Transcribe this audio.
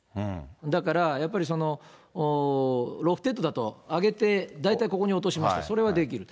だから、やっぱりロフテッドだと上げて大体ここに落とします、それはできる。